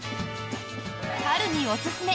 春におすすめ！